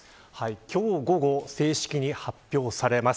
今日午後正式に発表されます。